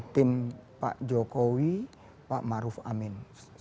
tim pak jokowi pak maruf amin